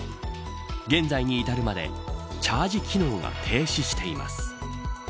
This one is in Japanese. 現在に至るまでチャージ機能が停止しています。